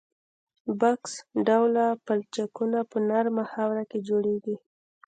بکس ډوله پلچکونه په نرمه خاوره کې جوړیږي